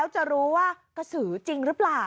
จะรู้ว่ากระสือจริงหรือเปล่า